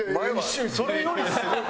それよりすごい。